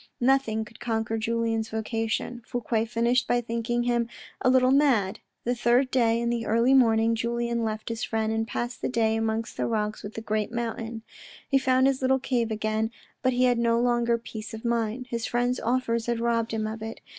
Nothing could conquer Julien's vocation. Fouque finished by thinking him a little mad. The third day, in the early morning, Julien left his friend, and passed the day amongst the rocks of the great mountain. He found his little cave again, but he had no longer peace of mind. His friend's offers had robbed him of it.